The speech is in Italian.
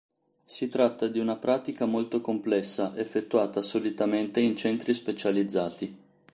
Si tratta di una pratica molto complessa, effettuata solitamente in centri specializzati.